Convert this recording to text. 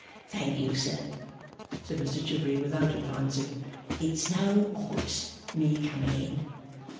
'Thank you, sir,' said Mr Chivery, without advancing; 'it's no odds me coming in.